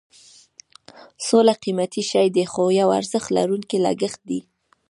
سوله قیمتي شی دی خو یو ارزښت لرونکی لګښت دی.